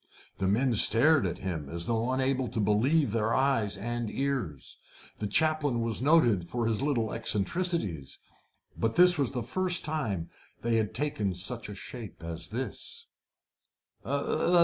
The men stared at him as though unable to believe their eyes and ears. The chaplain was noted for his little eccentricities, but it was the first time they had taken such a shape as this.